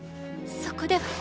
そこでは。